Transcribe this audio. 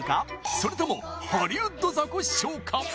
それともハリウッドザコシショウか？